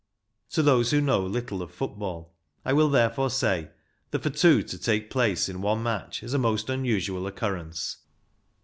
To those who know little of football I will, therefore, say that for two to take place in one match is a most unusual occurrence.